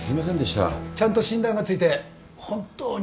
ちゃんと診断がついて本当によかった。